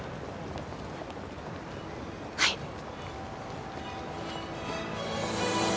はい。